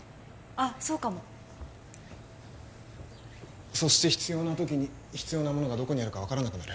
あっそうかもそして必要な時に必要なものがどこにあるか分からなくなる